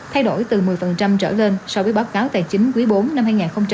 thay đổi từ một mươi trở lên so với báo cáo tài chính quý bốn năm hai nghìn hai mươi ba